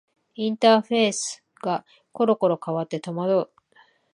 インターフェースがころころ変わって戸惑う